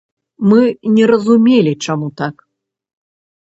Мы не разумелі, чаму так.